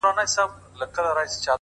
• ډېر نومونه سول په منځ کي لاندي باندي,